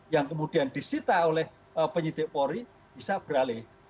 yang kemudian disita oleh penyidik polri bisa beralih